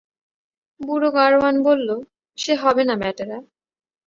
বুধো গাড়োয়ান বলল-সে হবে না ব্যাটারা।